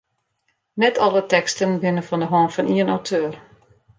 Net alle teksten binne fan de hân fan ien auteur.